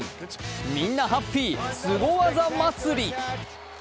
みんなハッピー、スゴ技祭り。